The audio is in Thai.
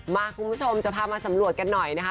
คุณผู้ชมจะพามาสำรวจกันหน่อยนะคะ